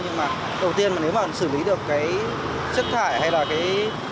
nhưng mà đầu tiên mà nếu mà xử lý được cái chất thải hay là cái